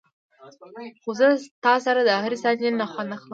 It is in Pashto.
خو زه تاسره دهرې ثانيې نه خوند اخلم.